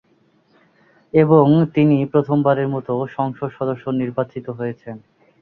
এবং তিনি প্রথম বারের মতো সংসদ সদস্য নির্বাচিত হয়েছেন।